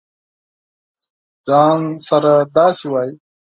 ځـان سره داسې وایې.